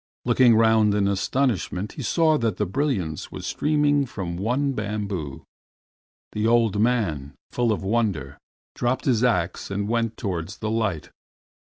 Looking round in astonishment, he saw that the brilliance was streaming from one bamboo. The old man, full of wonder, dropped his ax and went towards the light.